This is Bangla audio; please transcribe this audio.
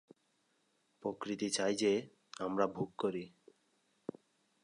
প্রকৃতি চায় যে, আমরা ভোগ করি।